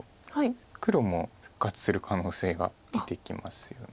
黒も復活する可能性が出てきますよね。